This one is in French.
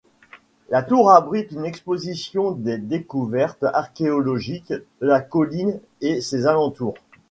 La tour abrite une exposition des découvertes archéologiques de la colline et ses alentours.